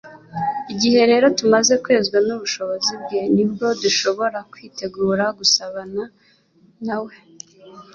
Igihe rero tumaze kwezwa n'ubushobozi bwe, nibwo dushobora kwitegura gusabana na we.